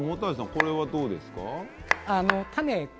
これはどうですか？